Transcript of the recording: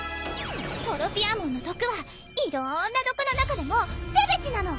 トロピアモンの毒はいろんな毒の中でもレベチなの！